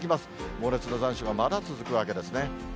猛烈な残暑がまだ続くわけですね。